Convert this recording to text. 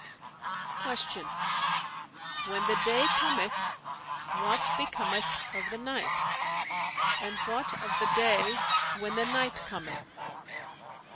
'"[FN#417] Q "When the day cometh, what becometh of the night; and what of the day, when the night cometh?"